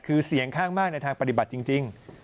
คือเสียงข้างมากในทางปฏิบัติจริง